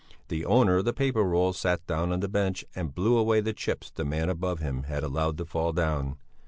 The owner of the paper roll sat down on the bench and blew away the chips the man above him had allowed to fall down.